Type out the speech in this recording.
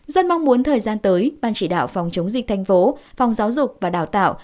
dân mong muốn thời gian tới ban chỉ đạo phòng chống dịch thành phố phòng giáo dục và đào tạo